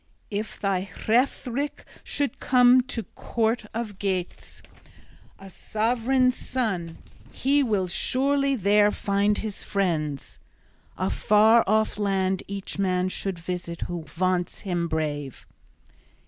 If thy Hrethric should come to court of Geats, a sovran's son, he will surely there find his friends. A far off land each man should visit who vaunts him brave."